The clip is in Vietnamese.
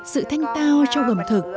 sự thanh tao cho ẩm thực